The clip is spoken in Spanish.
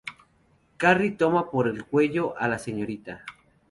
Carrie toma por el cuello a la Srta.